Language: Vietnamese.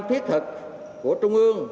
thiết thực của trung ương